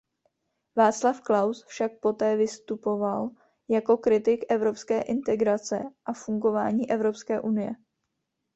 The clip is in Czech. Václav Klaus však poté vystupoval jako kritik evropské integrace a fungování Evropské unie.